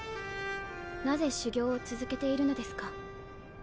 なぜ修行を続けているのですか？